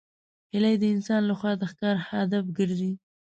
هیلۍ د انسان له خوا د ښکار هدف ګرځي